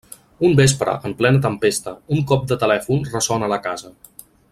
Un vespre, en plena tempesta, un cop de telèfon ressona a la casa.